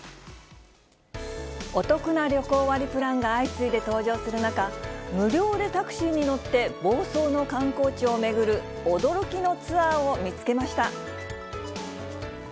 お得な旅行割プランが相次いで登場する中、無料でタクシーに乗って房総の観光地を巡る驚きのツアーを見つけました。